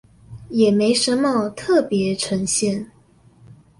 也沒什麼特別呈現